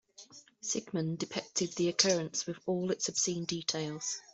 Sigmund depicted the occurrence with all its obscene details.